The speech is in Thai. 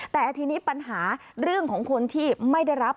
แต่ทีนี้ปัญหาเรื่องของคนที่ไม่ได้รับ